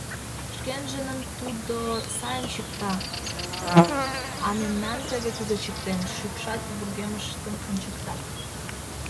Шкенжыным тудо сайын чикта, а мемнам теве кузе чиктен! — шӱкшак вургемыштым ончыктат.